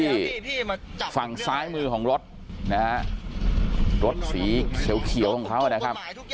อีพี่มาฟังซ้ายมือของรถนะฮะรถสีเขาเขาอะไรครับ